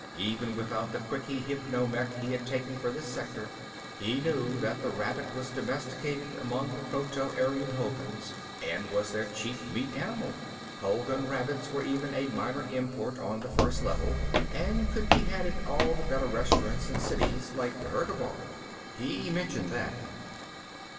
Even without the quickie hypno mech he had taken for this sector, he knew that the rabbit was domesticated among the Proto Aryan Hulguns and was their chief meat animal. Hulgun rabbits were even a minor import on the First Level, and could be had at all the better restaurants in cities like Dhergabar. He mentioned that.